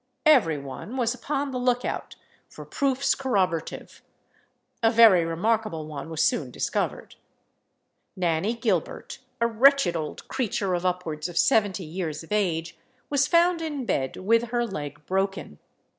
Every one was upon the look out for proofs corroborative; a very remarkable one was soon discovered. Nanny Gilbert, a wretched old creature of upwards of seventy years of age, was found in bed with her leg broken.